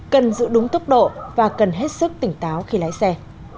cần giữ đúng tốc độ và cần hết sức tỉnh táo khi lái xe